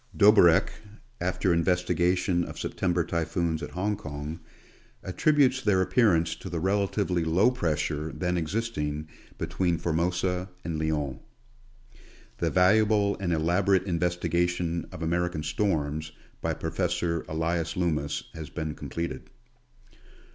Doberck, after investigation of September typhoons at Hong Kong, attributes their appearance to the relatively low pressure then existing between Formosa and Lyon, The valuable and elaborate investigation of American Storms, by Professor Elias Loomis has been completed.